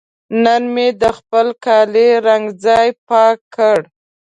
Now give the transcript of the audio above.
نن مې د خپل کالي رنګه ځای پاک کړ.